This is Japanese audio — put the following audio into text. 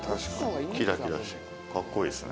キラキラして格好いいですね。